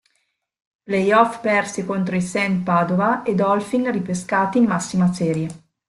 Playoffs persi contro i Saints Padova, e Dolphins ripescati in massima serie.